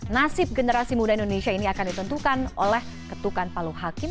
nasib generasi muda indonesia ini akan ditentukan oleh ketukan palu hakim